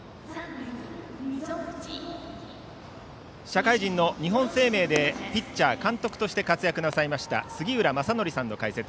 社会人の日本生命でピッチャー、監督として活躍なさいました杉浦正則さんの解説。